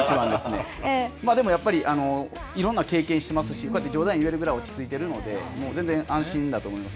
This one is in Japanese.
でもやっぱりいろんな経験をしてますし、冗談を言えるぐらい落ち着いてるので、全然安心だと思います。